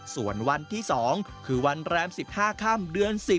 ส่วนวันที่๒คือวันแรม๑๕ค่ำเดือน๔